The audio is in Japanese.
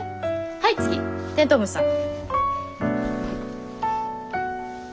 はい次テントウムシさん。